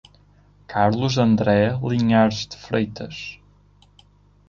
Carlos André Linhares de Freitas